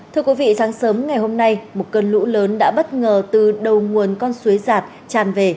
thưa quý vị sáng sớm ngày hôm nay một cơn lũ lớn đã bất ngờ từ đầu nguồn con suối giạt tràn về